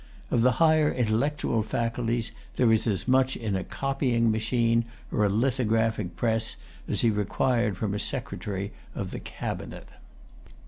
Of the higher intellectual faculties, there is as much in a copying machine, or a lithographic press, as he required from a secretary of the cabinet.